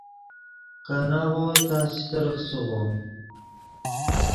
کاناغو تس چے ترخچیغو